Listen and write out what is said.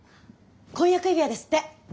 婚約指輪ですって！